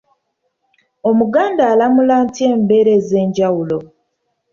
Omuganda alamula atya embeera ez’enjawulo?